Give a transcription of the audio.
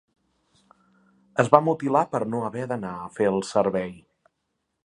Es va mutilar per no haver d'anar a fer el servei.